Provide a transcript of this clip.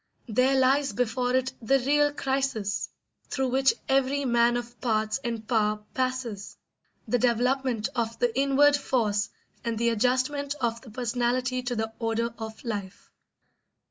There lies before it the real crisis through which every man of parts and power passes: the development of the inward force and the adjustment of the personality to the order of life.